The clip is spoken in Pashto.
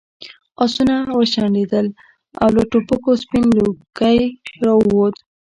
آسونه وشڼېدل او له ټوپکو سپین لوګی راووت.